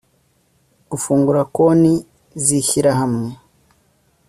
gufungura konti z ishyirahamwe